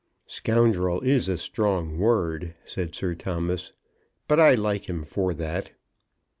"Scoundrel is a strong word," said Sir Thomas, "but I like him for that."